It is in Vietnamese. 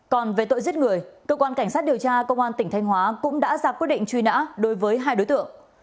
còn về tội giết người cơ quan cảnh sát điều tra công an tỉnh thanh hóa cũng đã ra quyết định truy nã đối với hai đối tượng